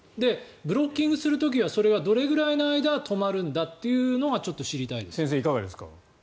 ブロッキングする時はそれはどれぐらいの間止まるんだというのが先生、いかがですか。